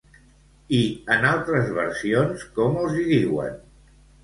I en altres versions, com els hi diuen?